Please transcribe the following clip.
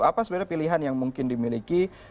apa sebenarnya pilihan yang mungkin dimiliki